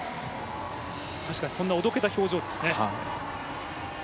確かに、そんなおどけた表情ですね。